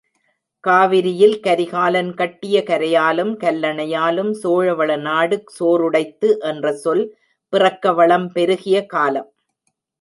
காவிரியில் கரிகாலன் கட்டிய கரையாலும், கல்லணையாலும், சோழ வளநாடு சோறுடைத்து என்ற சொல் பிறக்க வளம் பெருகிய காலம்.